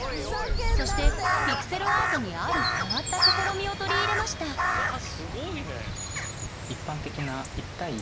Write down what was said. そしてピクセルアートにある変わった試みを取り入れましたすごいね。